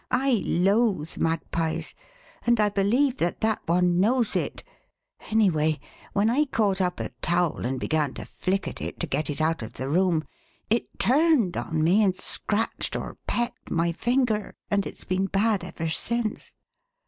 I loathe magpies and I believe that that one knows it. Anyway, when I caught up a towel and began to flick at it to get it out of the room, it turned on me and scratched or pecked my finger, and it's been bad ever since.